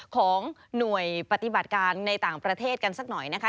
ของหน่วยปฏิบัติการในต่างประเทศกันสักหน่อยนะคะ